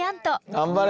頑張れ！